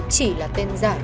chỉ là tên giả